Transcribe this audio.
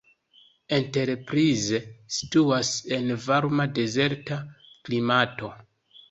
Enterprise situas en varma dezerta klimato.